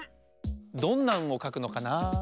どんな「ん」をかくのかな？